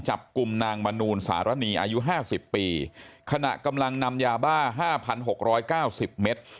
จับกลุ่มนางมนูลสารนีอายุห้าสิบปีขณะกำลังนำยาบ้า๕๖๙๐เมตร